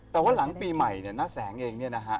แต่ว่าหลังปีใหม่เนี่ยน้าแสงเองเนี่ยนะฮะ